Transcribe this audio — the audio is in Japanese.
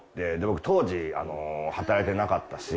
僕当時働いてなかったし。